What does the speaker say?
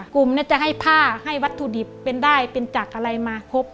กลุ่มจะให้ผ้าให้วัตถุดิบเป็นได้เป็นจากอะไรมาครบ